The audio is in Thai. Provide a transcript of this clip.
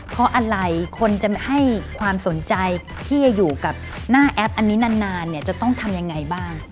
เพราะอะไรคนจะให้ความสนใจที่จะอยู่กับหน้าแอปอันนี้นานเนี่ยจะต้องทำยังไงบ้าง